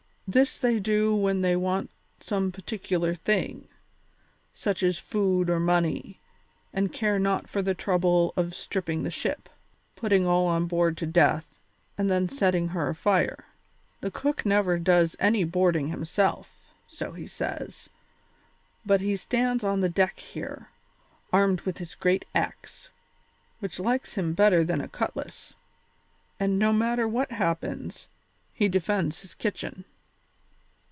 This they do when they want some particular thing, such as food or money, and care not for the trouble of stripping the ship, putting all on board to death, and then setting her on fire. The cook never does any boarding himself, so he says, but he stands on the deck here, armed with his great axe, which likes him better than a cutlass, and no matter what happens, he defends his kitchen."